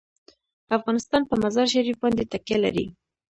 افغانستان په مزارشریف باندې تکیه لري.